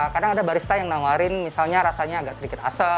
kadang ada barista yang nawarin misalnya rasanya agak sedikit asam